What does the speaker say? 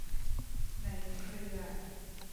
ในเครือ